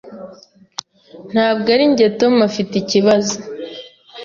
Ntabwo arinjye Tom afite ikibazo.